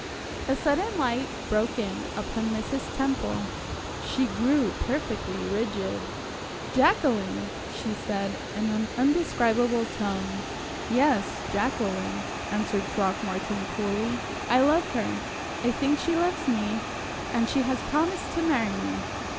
A sudden light broke in upon Mrs. Temple. She grew perfectly rigid. "Jacqueline!" she said, in an undescribable tone. "Yes, Jacqueline," answered Throckmorton, coolly. "I love her I think she loves me and she has promised to marry me.